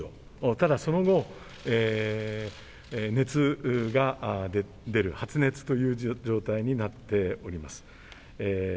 ただその後、熱が出る発熱の状態になっております。